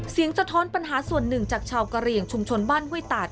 เสียงสะท้อนปัญหาส่วนหนึ่งจากชาวกะเรียงชุมชนบ้านเว้ยตาด